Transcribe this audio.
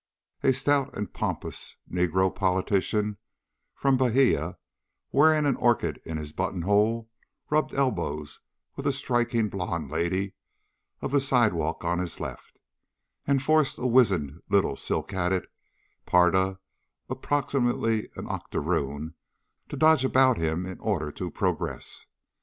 A stout and pompous negro politician from Bahia, wearing an orchid in his button hole, rubbed elbows with a striking blonde lady of the sidewalks on his left, and forced a wizened little silk hatted parda approximately an octoroon to dodge about him in order to progress.